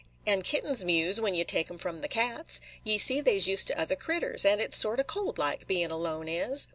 And kittens mews when ye take 'em from the cats. Ye see they 's used to other critters; and it 's sort o' cold like, bein' alone is."